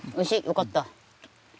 よかった。